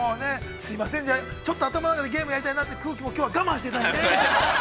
すいません、じゃあちょっと頭の中でゲームやりたいなという空気もきょうは我慢していただいて。